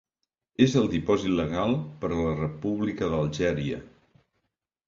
És el dipòsit legal per a la República d'Algèria.